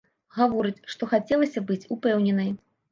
Гаворыць, што хацелася быць упэўненай.